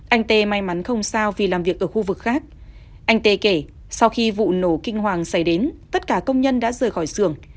anh tê may mắn không sao vì làm việc ở khu vực khác anh tê kể sau khi vụ nổ kinh hoàng xảy đến tất cả công nhân đã rời khỏi xưởng